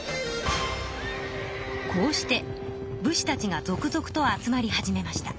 こうして武士たちが続々と集まり始めました。